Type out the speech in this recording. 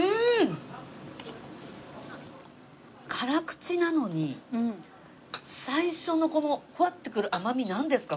辛口なのに最初のこのフワッてくる甘みなんですか？